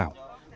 và côn đảo